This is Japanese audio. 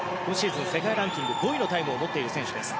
世界ランキング５位のタイムを持っている選手です。